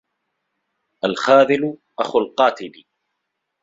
الخاذل أخو القاتل